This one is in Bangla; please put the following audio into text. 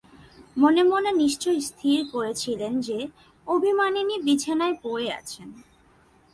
মনে মনে নিশ্চয় স্থির করেছিলেন যে, অভিমানিনী বিছানায় পড়ে আছেন।